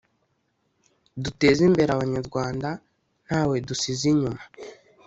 duteze imbere Abanyarwanda ntawe dusize inyuma